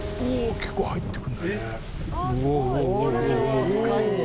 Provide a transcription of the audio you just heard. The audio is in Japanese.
結構入っていくんだね。